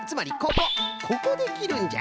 ここできるんじゃ。